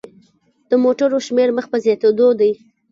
د موټرونو شمیر مخ په زیاتیدو دی.